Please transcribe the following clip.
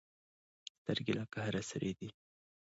سترګې یې له قهره سرې دي.